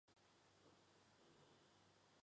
贾宝玉则总是敬陪末座。